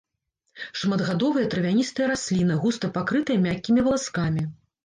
Шматгадовая травяністая расліна, густа пакрытая мяккімі валаскамі.